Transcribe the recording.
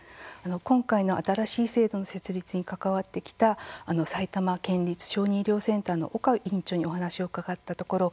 今回の新しい制度の設立に関わってきた埼玉県立小児医療センターの岡院長にお話を伺ったところ